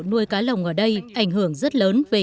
nuôi cá lồng ở đây ảnh hưởng rất lớn về